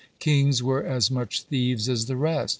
Kings were as much thieves as the rest.